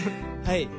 はい。